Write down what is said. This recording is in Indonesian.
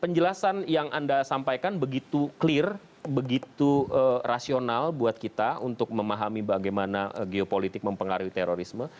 penjelasan yang anda sampaikan begitu clear begitu rasional buat kita untuk memahami bagaimana geopolitik mempengaruhi terorisme